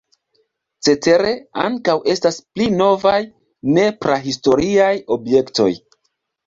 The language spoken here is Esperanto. Cetere, ankaŭ estas pli novaj ne-prahistoriaj objektoj.